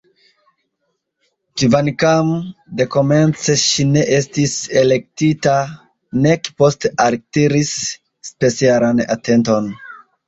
Kvankam dekomence ŝi nek estis elektita nek poste altiris specialan atenton.